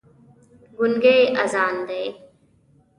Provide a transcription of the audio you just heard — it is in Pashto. ګونګی اذان دی